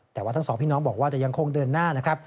แต่ว่าทั้งสองพี่น้องบอกว่าจะยังคงเดินหน้านะครับ